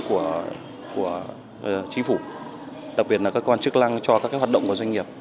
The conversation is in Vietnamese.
cho chính phủ đặc biệt là các quan chức lăng cho các hoạt động của doanh nghiệp